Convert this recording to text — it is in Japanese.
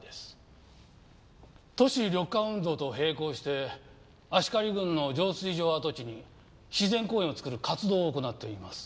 都市緑化運動と並行して阿鹿里郡の浄水場跡地に自然公園を造る活動を行っています。